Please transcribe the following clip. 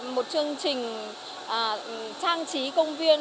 một chương trình trang trí công viên